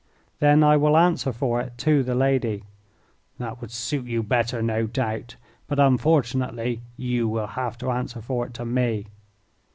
"Then I will answer for it to the lady." "That would suit you better, no doubt. But, unfortunately, you will have to answer for it to me."